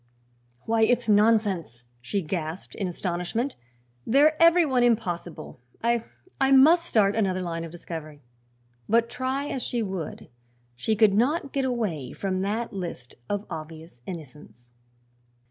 "Why, it's nonsense!" she gasped in astonishment. "They're every one impossible. I I must start another line of discovery." But, try as she would, she could not get away from that list of obvious innocents.